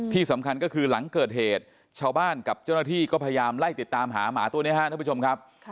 ที่สำคัญก็คือหลังเกิดเหตุชาวบ้านกับเจ้าหน้าที่ก็พยายามไล่ติดตามหาหมาตัวนี้ครับท่านผู้ชมครับ